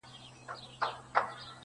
o ددې ښكلا.